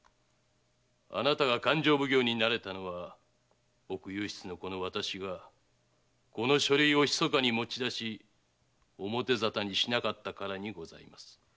あなたが勘定奉行になれたのは奥右筆の私がこの書類をひそかに持ち出し表沙汰にしなかったからにございます。